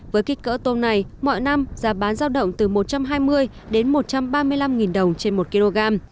với kích cỡ tôm này mọi năm giá bán giao động từ một trăm hai mươi đến một trăm ba mươi năm đồng trên một kg